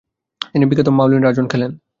তিনি বিখ্যাত মাউলিন রাউঝ খোলেন।